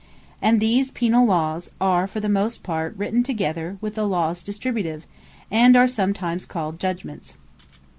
And these Penal Lawes are for the most part written together with the Lawes Distributive; and are sometimes called Judgements.